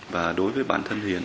và đối với bản thân hiền